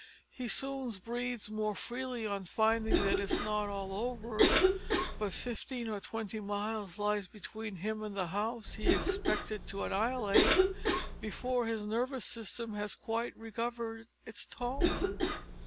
He soon breathes more freely on finding that it is not all over, but fifteen or twenty miles lie between him and the house he expected to annihilate, before his nervous system has quite recovered its tone.